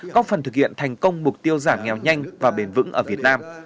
có phần thực hiện thành công mục tiêu giảm nghèo nhanh và bền vững ở việt nam